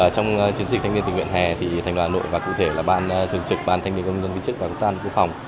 trong chiến dịch thanh niên tình nguyện hè thì thành đoàn hà nội và cụ thể là ban thường trực ban thanh niên công dân vĩnh chức và công tác công phòng